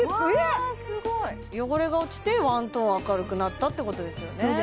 うわすごい汚れが落ちてワントーン明るくなったってことですよね